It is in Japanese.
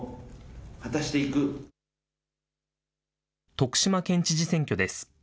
徳島県知事選挙です。